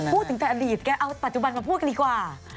พูดถึงแต่อดีตแกเอาปัจจุบันมาพูดกันดีกว่า